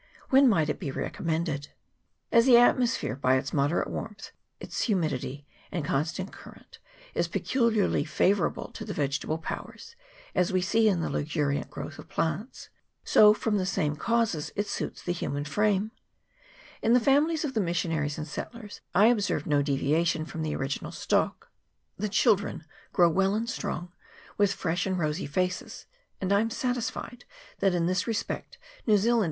When might it be recommended? As the atmosphere, by its moderate warmth, its hu midity, and constant current, is peculiarly favour able to the vegetative powers, as we see in the luxuri ant growth of plants, so from the same causes it suits the human frame. In the families of the mission aries and settlers I observed no deviation from the original stock; the children grow well and strong, 182 CLIMATE OF [PART I, with fresh and rosy faces, and I am satisfied that in this respect New Zealand is in no way inferior to Great Britain.